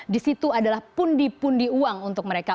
di situ adalah pundi pundi uang untuk mereka